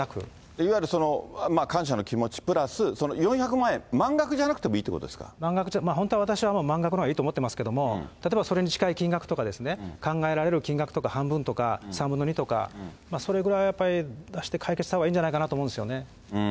いわゆる感謝の気持ちプラス、４００万円満額じゃなくてもいい満額、本当は私は満額のほうがいいと思ってますけども、例えば、それに近い金額ですとか、考えられる金額とか、半分とか、３分の２とか、それぐらいはやっぱり出して、解決したほうがいいんじゃないかなと思うんですよね。